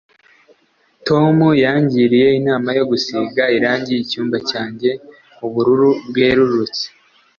Tom yangiriye inama yo gusiga irangi icyumba cyanjye ubururu bwerurutse.